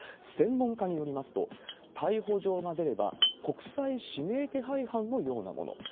専門家によりますと、逮捕状が出れば、国際指名手配犯のようなもの。